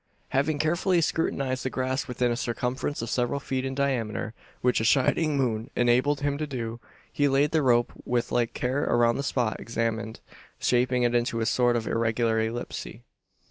Having carefully scrutinised the grass within a circumference of several feet in diameter which a shining moon enabled him to do he laid the rope with like care around the spot examined, shaping it into a sort of irregular ellipse.